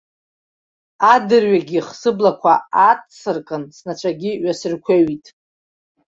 Адырҩегьых сыблақәа ааҵсыркын, снацәагьы ҩасыркәеиҩит.